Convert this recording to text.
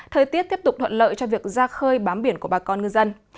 thời tiết tiếp tục thuận lợi cho việc ra khơi bám biển của bà con ngư dân